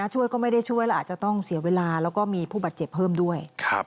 ช่วยก็ไม่ได้ช่วยแล้วอาจจะต้องเสียเวลาแล้วก็มีผู้บาดเจ็บเพิ่มด้วย